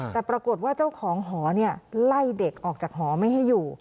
แต่ปรากฏว่าเจ้าของหอไล่เด็กออกจากหอไม่ให้อยู่